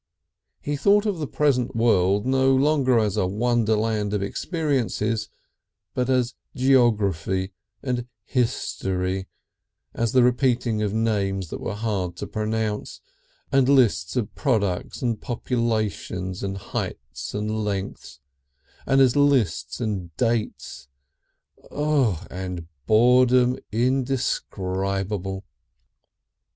He thought of the present world no longer as a wonderland of experiences, but as geography and history, as the repeating of names that were hard to pronounce, and lists of products and populations and heights and lengths, and as lists and dates oh! and boredom indescribable.